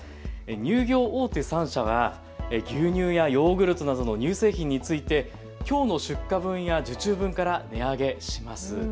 乳業大手３社は牛乳やヨーグルトなどの乳製品についてきょうの出荷分や受注分から値上げします。